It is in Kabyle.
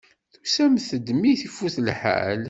Tusamt-d mi ifut lḥal.